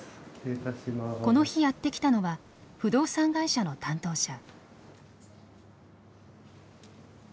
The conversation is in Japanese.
この日やって来たのは不動産会社の担当者。